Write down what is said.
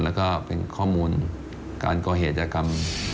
แล้วก็เป็นข้อมูลการก่อเหตุยากรรม